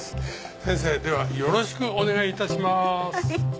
先生ではよろしくお願い致します。